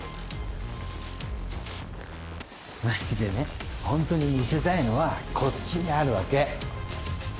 マジでねホントに見せたいのはこっちにあるわけ。